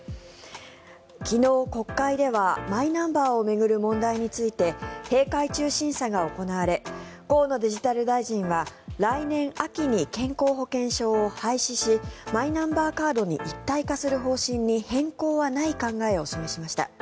昨日、国会ではマイナンバーを巡る問題について閉会中審査が行われ河野デジタル大臣は来年秋に健康保険証を廃止しマイナンバーカードに一体化する方針に変更はない考えを示しました。